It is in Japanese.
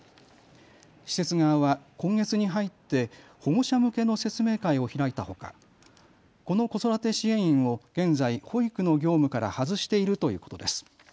施設側は今月に入って保護者向けの説明会を開いたほかこの子育て支援員を現在、保育の業務から外しているということです。